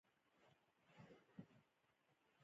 • ږغ د هوا، اوبو او جامداتو له لارې خپرېږي.